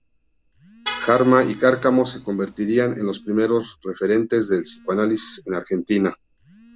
Garma y Cárcamo se convertirían en los primeros referentes del psicoanálisis en Argentina.